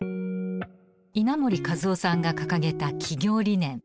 稲盛和夫さんが掲げた企業理念。